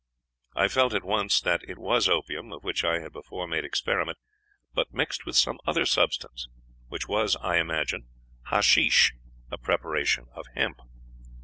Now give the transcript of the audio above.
I felt at once that it was opium, of which I had before made experiment, but mixed with some other substance, which was, I imagine, hasheesh, a preparation of hemp.